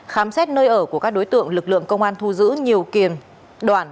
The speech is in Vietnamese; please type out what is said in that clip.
khám xét nơi ở của các đối tượng lực lượng công an thu giữ nhiều kiềm đoạn